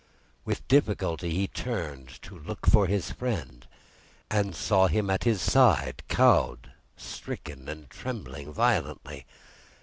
With difficulty he turned to look for his friend and saw him at his side cowed, stricken, and trembling violently.